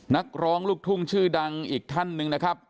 นักร้องลูกทุ่งชื่อดังอีกท่านหนึ่งนะครับ